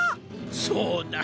そうだ。